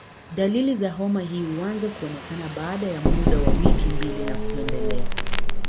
Dalili za homa hii huanza kuonekana baada ya muda wa wiki mbili na kuendelea.